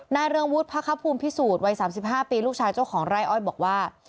เรืองวุฒิพระคภูมิพิสูจน์วัย๓๕ปีลูกชายเจ้าของไร่อ้อยบอกว่า